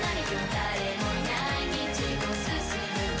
誰もいない道を進むんだ